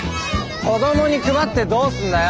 子どもに配ってどうすんだよ！